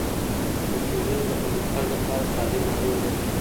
د ټولنې د پرمختګ لپاره تعلیم اړین دی.